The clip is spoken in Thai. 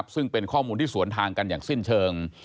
ซึ่งเป็นข้อมูลที่สวนทางกันอย่างสิ้นเชิง